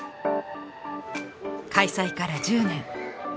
開催から１０年